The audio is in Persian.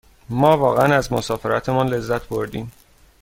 ما واقعاً از مسافرتمان لذت بردیم.